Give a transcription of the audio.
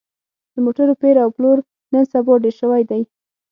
د موټرو پېر او پلور نن سبا ډېر شوی دی